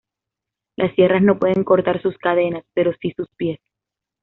Las sierras no pueden cortar sus cadenas, pero sí sus pies.